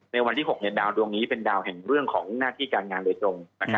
ในวันที่๖ดาวดวงนี้เป็นดาวแห่งเรื่องของหน้าที่การงานโดยตรง